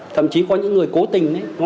thậm chí có những người cố tình ấy